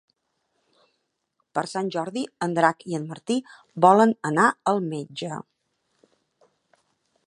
Per Sant Jordi en Drac i en Martí volen anar al metge.